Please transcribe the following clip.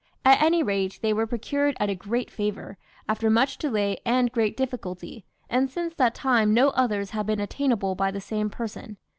At any rate they were procured as a great favour, after much delay and great difficulty, and since that time no others have been attainable by the same person.